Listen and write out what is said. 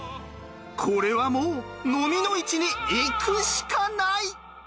これはもうノミの市に行くしかない！